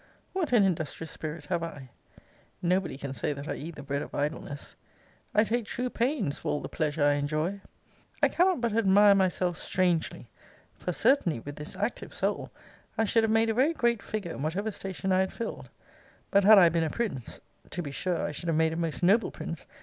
What an industrious spirit have I! Nobody can say that I eat the bread of idleness. I take true pains for all the pleasure I enjoy. I cannot but admire myself strangely; for certainly, with this active soul, I should have made a very great figure in whatever station I had filled. But had I been a prince, (to be sure I should have made a most noble prince!)